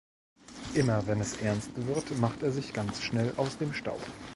Immer wenn es ernst wird, macht er sich ganz schnell aus dem Staub.